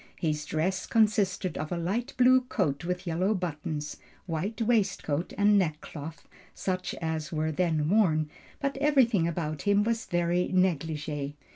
His dress consisted of a light blue coat with yellow buttons, white waistcoat and neckcloth, such as were then worn, but everything about him was very negligee.